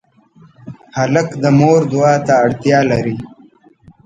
هلک د مور دعا ته اړتیا لري.